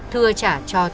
thưa trả cho tuấn